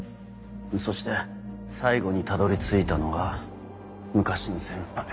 そして最後にたどり着いたのが昔の先輩